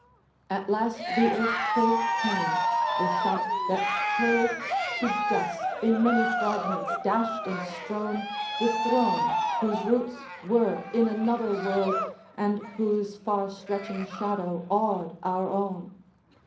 XXIII. At last the earthquake came the shock, that hurled To dust, in many fragments dashed and strown, The throne, whose roots were in another world, And whose far stretching shadow awed our own.